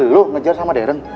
lo ngejar sama deren